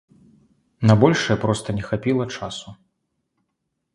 На большае проста не хапіла часу.